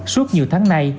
suốt nhiều tháng nay